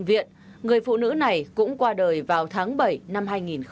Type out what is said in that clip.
trong bệnh viện người phụ nữ này cũng qua đời vào tháng bảy năm hai nghìn hai mươi ba